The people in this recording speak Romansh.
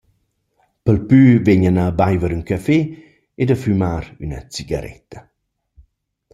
Pelplü vegna a baiver ün cafè ed a fümar üna cigaretta.